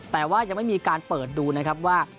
แต่ว่ายังไม่มีการเปิดดูนะครับว่า